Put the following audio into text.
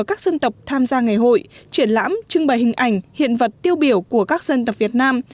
các dân tộc tham gia ngày hội triển lãm trưng bày hình ảnh hiện vật tiêu biểu của các dân tộc việt nam